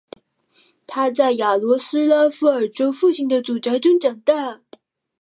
他在雅罗斯拉夫尔州父亲的祖宅中长大。